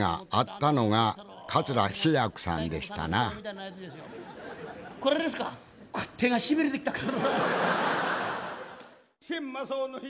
手がしびれてきたからな」。